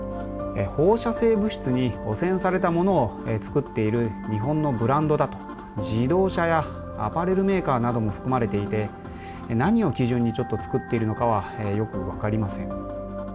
放射性物質に汚染されたものを作っている日本のブランドだと自動車やアパレルメーカーなども含まれていて何を基準に作っているのかはよく分かりません。